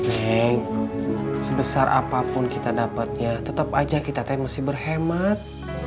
neng sebesar apapun kita dapatnya tetap saja kita masih berhemat